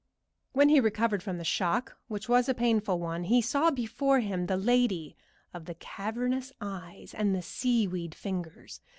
When he recovered from the shock, which was a painful one, he saw before him the lady of the cavernous eyes and seaweed fingers.